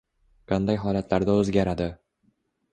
Qanday holatlarda o'zgaradi?